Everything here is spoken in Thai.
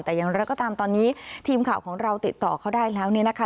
แต่อย่างไรก็ตามตอนนี้ทีมข่าวของเราติดต่อเขาได้แล้วเนี่ยนะคะ